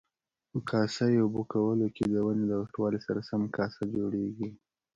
په کاسه یي اوبه کولو کې د ونې د غټوالي سره سم کاسه جوړیږي.